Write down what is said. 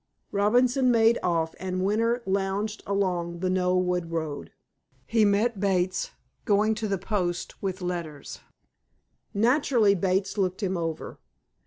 Robinson made off, and Winter lounged along the Knoleworth road. He met Bates, going to the post with letters. Naturally, Bates looked him over.